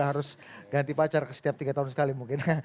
harus ganti pacar setiap tiga tahun sekali mungkin